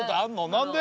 何で？